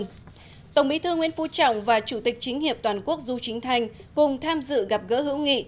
ủy viên thường vụ bộ chính trị tổng bí thư nguyễn phú trọng và chủ tịch chính hiệp toàn quốc du chính thanh cùng tham dự gặp gỡ hữu nghị